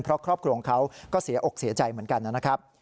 เพราะครอบครัวของเขาก็เสียอกเสียใจเหมือนกันนะครับ